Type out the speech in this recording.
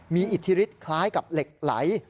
มีอิทธิฤทธิคล้ายกับเหล็กไหล